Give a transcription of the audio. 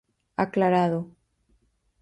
Aclarado.